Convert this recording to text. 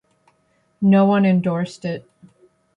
No one endorsed it.